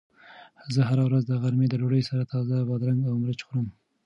زه هره ورځ د غرمې د ډوډۍ سره تازه بادرنګ او مرچ خورم.